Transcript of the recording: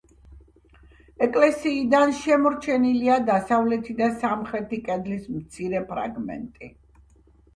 ეკლესიიდან შემორჩენილია დასავლეთი და სამხრეთი კედლის მცირე ფრაგმენტი.